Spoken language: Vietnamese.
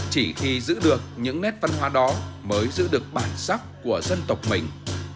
chỉ khi giữ được những nét văn hóa đó mới giữ được bản sắc của dân tộc mình